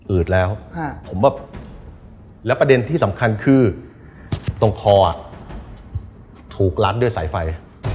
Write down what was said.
ืดแล้วผมว่าแล้วประเด็นที่สำคัญคือตรงคอถูกรัดด้วยสายไฟ